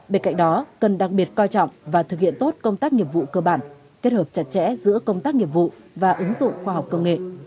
bên cạnh đó cần đặc biệt coi trọng và thực hiện tốt công tác nghiệp vụ cơ bản kết hợp chặt chẽ giữa công tác nghiệp vụ và ứng dụng khoa học công nghệ